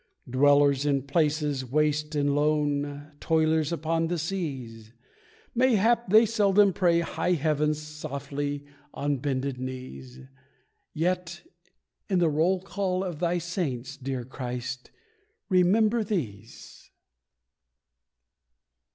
Dwellers in places waste and lone, Toilers upon the seas Mayhap they seldom pray high heaven. Softly on bended knees Yet in the roll call of Thy Saints, Dear Christ remember these.